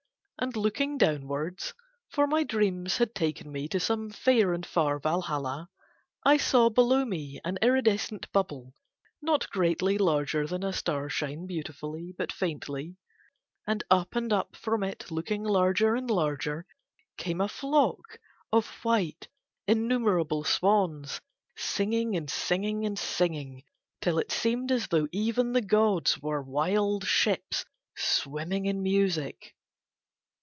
And looking downwards, for my dreams had taken me to some fair and far Valhalla, I saw below me an iridescent bubble not greatly larger than a star shine beautifully but faintly, and up and up from it looking larger and larger came a flock of white, innumerable swans, singing and singing and singing, till it seemed as though even the gods were wild ships swimming in music.